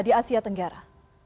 di asia tenggara